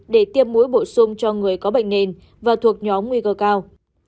để tiêm mũi bổ sung cho người có bệnh nền và thuộc nhóm nguy cơ cao